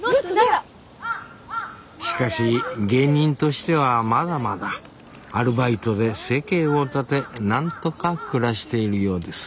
しかし芸人としてはまだまだアルバイトで生計を立てなんとか暮らしているようです